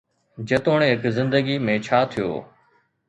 جيتوڻيڪ زندگي ۾ ڇا ٿيو؟